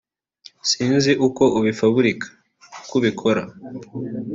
sinzi uko ubifaburika (uko ubikora)'